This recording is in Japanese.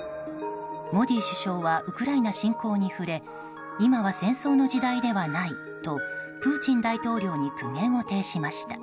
モディ首相はウクライナ侵攻に触れ今は戦争の時代ではないとプーチン大統領に苦言を呈しました。